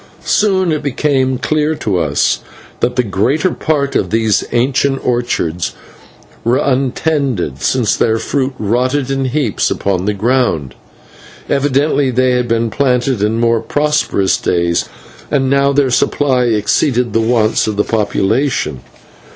Soon it became clear to us that the greater part of these ancient orchards were untended, since their fruit rotted in heaps upon the ground. Evidently they had been planted in more prosperous days, and now their supply exceeded the wants of the population.